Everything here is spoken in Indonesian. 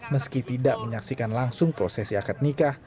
meski tidak menyaksikan langsung prosesi akad nikah